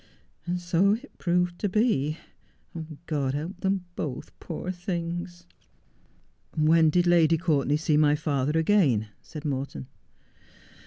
And so it proved to be. God help them both, poor things.' 'When did Lady Courtenay see my father again?' said Morton.